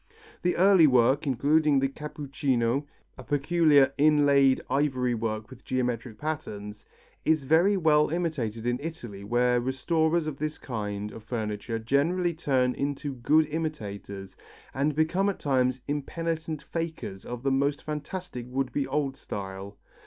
The early work, including the cappuccino, a peculiar inlaid ivory work with geometric patterns, is very well imitated in Italy where restorers of this kind of furniture generally turn into good imitators, and become at times impenitent fakers of the most fantastic would be old style.